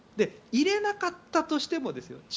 入れなかったとしてもですよ